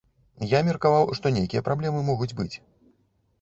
Я меркаваў, што нейкія праблемы могуць быць.